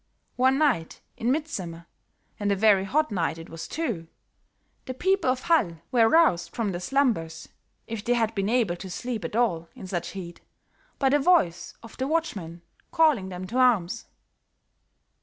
One night, in midsummer, and a very hot night it was, too, the people of Hall were roused from their slumbers, if they had been able to sleep at all in such heat, by the voice of the watchman calling them to arms.